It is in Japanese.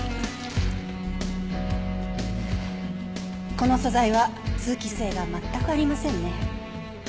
この素材は通気性が全くありませんね。